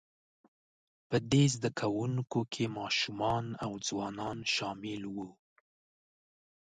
په دې زده کوونکو کې ماشومان او ځوانان شامل وو،